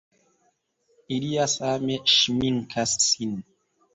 Ili ja same ŝminkas sin!